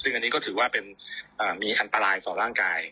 ซึ่งอันนี้ก็ถือว่าเป็นมีอันตรายต่อร่างกาย